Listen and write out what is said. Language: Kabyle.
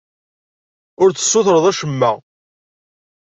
Ur d-tessutreḍ acemma.